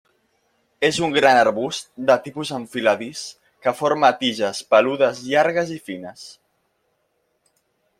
És un gran arbust de tipus enfiladís que forma tiges peludes, llargues i fines.